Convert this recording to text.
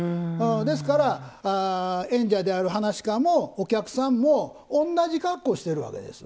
ですから、演者である噺家もお客さんも同じ格好してるわけです。